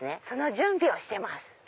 その準備をしてます。